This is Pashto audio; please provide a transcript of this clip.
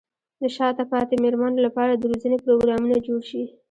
د شاته پاتې مېرمنو لپاره د روزنې پروګرامونه جوړ شي.